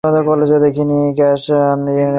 Cash দিয়ে দিন!